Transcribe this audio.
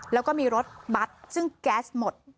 แล้วก็มีรถบัตรซึ่งแก๊สหมด